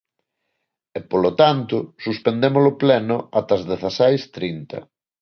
E, polo tanto, suspendemos o Pleno ata as dezaseis trinta.